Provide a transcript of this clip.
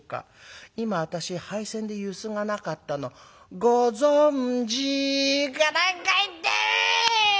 今私杯洗でゆすがなかったのご存じ？』か何か言って！